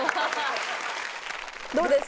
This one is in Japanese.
どうですか？